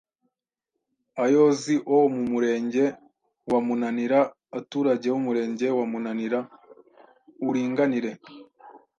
ayoozi o mu Murenge wa Munanira aturage ’Umurenge wa Munanira Uuringanire